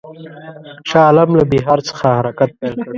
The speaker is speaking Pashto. شاه عالم له بیهار څخه حرکت پیل کړ.